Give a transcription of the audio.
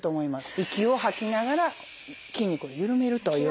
息を吐きながら筋肉を緩めるという。